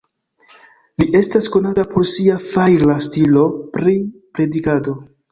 Li estas konata por sia fajra stilo pri predikado.